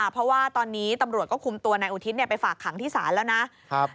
เพราะว่าตอนนี้ตำรวจก็คุมตัวนายอุทิศไปฝากขังที่ศาลแล้วนะ